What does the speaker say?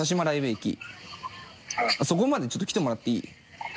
そこまでちょっと来てもらっていい？